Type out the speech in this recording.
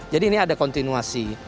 jadi ini ada kontinuasi